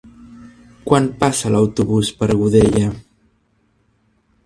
Quan passa l'autobús per Godella?